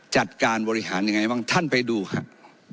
จัดการบริหารยังไงบ้างท่านไปดูครับ